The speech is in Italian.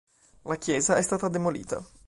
La chiesa è stata demolita.